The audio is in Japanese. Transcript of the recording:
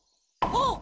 あっ。